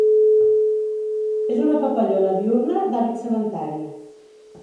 És una papallona diürna d'hàbit sedentari.